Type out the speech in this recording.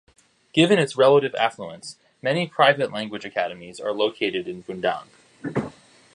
Given its relative affluence, many private language academies are located in Bundang.